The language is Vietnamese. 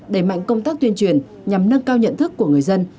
đẩy mạnh công tác tuyên truyền nhằm nâng cao nhận thức của người dân